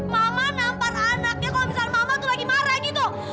mama nampar anaknya kalau misalnya mama tuh lagi marah gitu